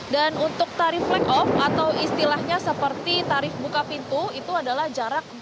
dan untuk tarif flag off atau istilahnya seperti tarif buka pintu itu adalah jarak empat kilometer